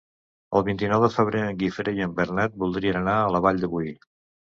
El vint-i-nou de febrer en Guifré i en Bernat voldrien anar a la Vall de Boí.